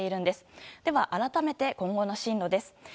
では改めて今後の進路です。